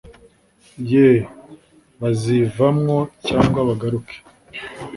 Yee !Bazivamwo cg bagaruke